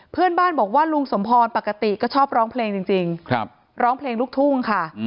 เพื่อนบ้านบอกว่าลุงสมพรปกติก็ชอบร้องเพลงจริงร้องเพลงลูกทุ่งค่ะ